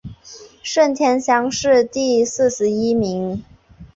顺天乡试第四十一名。